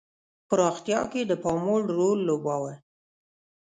پراختیا کې د پاموړ رول لوباوه.